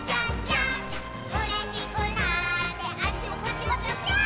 「うれしくなってあっちもこっちもぴょぴょーん」